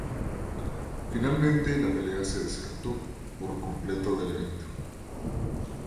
Finalmente la pelea se descartó por completo del evento.